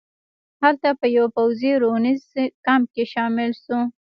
هلته په یوه پوځي روزنیز کمپ کې شامل شو.